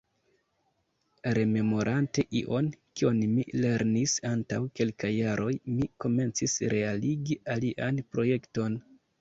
Rememorante ion, kion mi lernis antaŭ kelkaj jaroj, mi komencis realigi alian projekton.